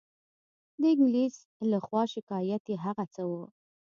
د انګلیس له خوا شکایت یې هغه څه وو.